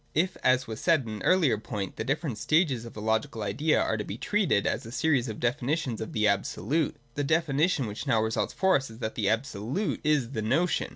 If, as was said at an earlier point, the different stages of the logical idea are to be treated as a series of definitions of the Absolute, the definition which now results for us is that the Absolute is the Notion.